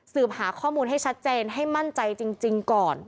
หาข้อมูลให้ชัดเจนให้มั่นใจจริงก่อน